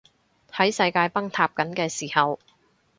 喺世界崩塌緊嘅時候